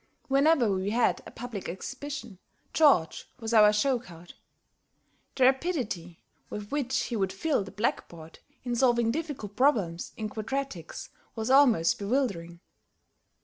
Whenever we had a public exhibition, George was our show card. The rapidity with which he would fill the blackboard, in solving difficult problems in quadratics, was almost bewildering.